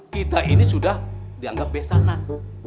kita ini sudah dianggap besanan